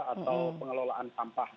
atau pengelolaan sampah